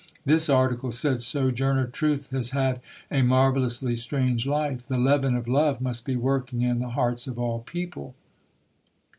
This article said: "Sojourner Truth has had a marvelously strange life. The leaven of love must be working in the hearts of all people".